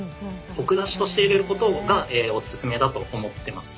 コク出しとして入れることがオススメだと思ってます。